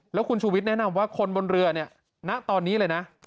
แล้วคุณชูวิทยแนะนำว่าคนบนเรือเนี่ยณตอนนี้เลยนะ